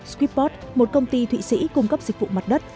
squippot một công ty thụy sĩ cung cấp dịch vụ mặt đất